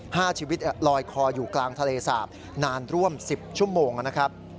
ห้าชีวิตลอยคออยู่กลางทะเลสาบนานร่วมสิบชั่วโมงนะครับ